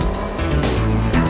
men sudah bang